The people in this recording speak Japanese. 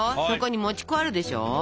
そこにもち粉あるでしょ？